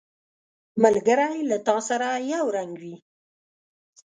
ملګری له تا سره یو رنګ وي